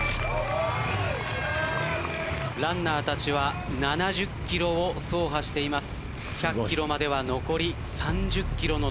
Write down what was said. ランナーたちは７０ｋｍを走破しています。